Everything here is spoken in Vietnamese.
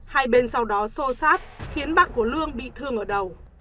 hai bên sau đó sô sát khiến bắt của lương bị thương ở đầu